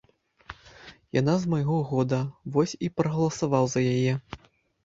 Яна з майго года, вось і прагаласаваў за яе.